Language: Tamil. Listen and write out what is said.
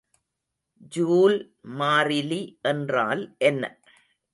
ஜூல் மாறிலி என்றால் என்ன?